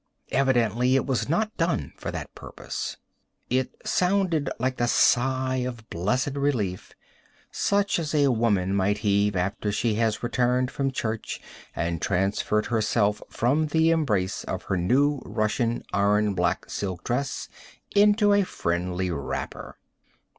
Evidently it was not done for that purpose. It sounded like a sigh of blessed relief, such as a woman might heave after she has returned from church and transferred herself from the embrace of her new Russia iron, black silk dress into a friendly wrapper.